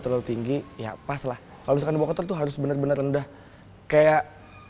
terlalu tinggi ya pas lah kalau misalkan dibawa kotor tuh harus bener bener rendah kayak